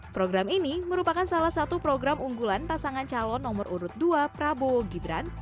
program ini merupakan salah satu program unggulan pasangan calon nomor urut dua prabowo gibran